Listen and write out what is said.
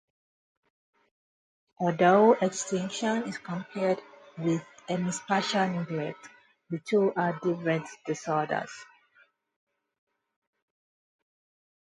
Although extinction is compared with hemispatial neglect, the two are different disorders.